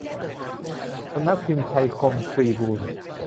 สำนักพิมพ์ไทยคมทรีบูน